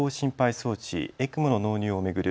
装置・ＥＣＭＯの納入を巡る